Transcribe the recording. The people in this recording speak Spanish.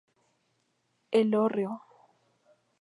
El Hórreo.